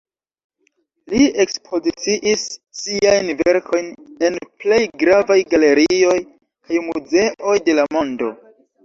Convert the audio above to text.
Li ekspoziciis siajn verkojn en plej gravaj galerioj kaj muzeoj de la mondo.